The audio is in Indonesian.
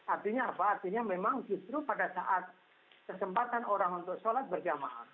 artinya apa artinya memang justru pada saat kesempatan orang untuk sholat berjamaah